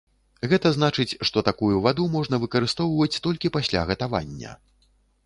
Гэта значыць, што такую ваду можна выкарыстоўваць толькі пасля гатавання.